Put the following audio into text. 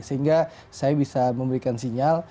sehingga saya bisa memberikan sinyal